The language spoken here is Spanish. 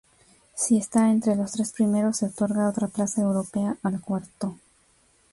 Si está entre los tres primeros, se otorga otra plaza europea al cuarto.